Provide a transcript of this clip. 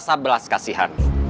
tanpa rasa belas kasihan